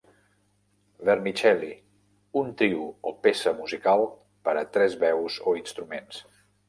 Vermicelli: un trio o peça musical per a tres veus o instruments